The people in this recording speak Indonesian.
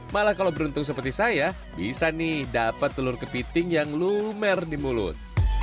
malah kalau beruntung seperti saya bisa nih dapat telur kepiting yang lumer di mulut